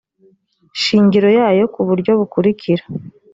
shingiro yayo ku buryo bukurikira